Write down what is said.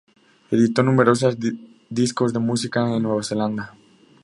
Editó numerosos discos de música de Nueva Zelanda.